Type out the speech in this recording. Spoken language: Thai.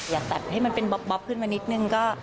อยากตัดให้มันเป็นบ๊อบขึ้นมานิดนึง